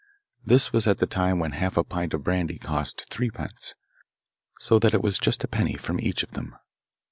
This was at the time when half a pint of brandy cost threepence, so that was just a penny from each of them.